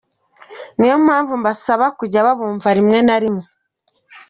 niyo mpamvu mbasaba kujya babumva rimwe na rimwe.”